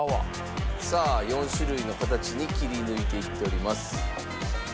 さあ４種類の形に切り抜いていっております。